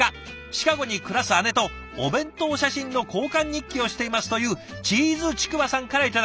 「シカゴに暮らす姉とお弁当写真の交換日記をしています」というチーズちくわさんから頂きました。